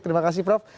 terima kasih prof